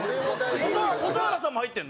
蛍原さんも入ってるの？